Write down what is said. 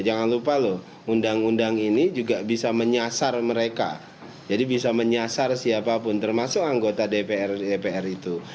jangan lupa loh undang undang ini juga bisa menyasar mereka jadi bisa menyasar siapapun termasuk anggota dpr itu